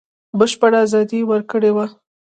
بشپړه ازادي یې ورکړې وه.